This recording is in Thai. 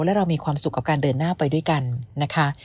และเรามีความสุขกับการเดินหน้าไปด้วยกันนะคะ